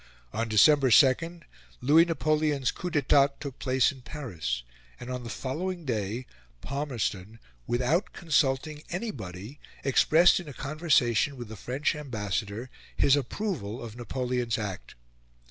On December 2, Louis Napoleon's coup d'etat took place in Paris; and on the following day Palmerston, without consulting anybody, expressed in a conversation with the French Ambassador his approval of Napoleon's act.